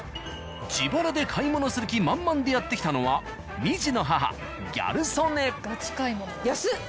自腹で買い物する気満々でやって来たのは２児の母ギャル曽根。